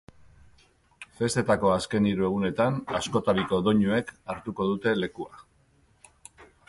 Festetako azken hiru egunetan, askotariko doinuek hartuko dute lekua.